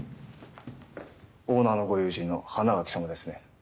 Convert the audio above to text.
オーナーのご友人の花垣さまですね。